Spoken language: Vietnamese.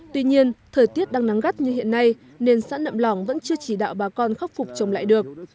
tuy nhiên thời tiết đang nắng gắt như hiện nay nên xã nậm lỏng vẫn chưa chỉ đạo bà con khắc phục trồng lại được